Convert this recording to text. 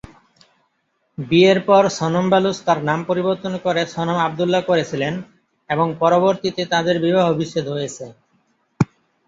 বিয়ের পর সনম বালুচ তার নাম পরিবর্তন করে সনম আবদুল্লাহ করেছিলেন এবং পরবর্তীতে তাদের বিবাহ বিচ্ছেদ হয়েছে।